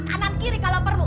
kanan kiri kalau perlu